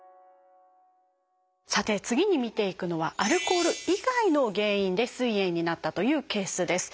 さて次に見ていくのはアルコール以外の原因ですい炎になったというケースです。